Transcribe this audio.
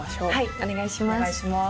お願いします。